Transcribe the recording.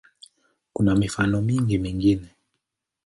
Kuna mifano mingi mingine.